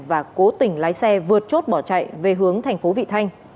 và cố tình lái xe vượt chốt bỏ chạy về hướng thành phố vị thanh